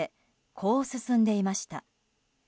こう進んでいました。